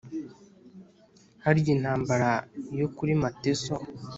harya intambara yo kuri mateso